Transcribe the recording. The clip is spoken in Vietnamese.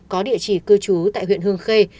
có địa chỉ cư trú tại huyện hương khê